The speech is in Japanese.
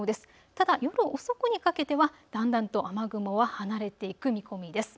ただ遅くにかけてはだんだんと雨雲は離れていく見込みです。